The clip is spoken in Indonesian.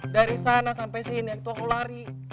dari sana sampe sini aku lari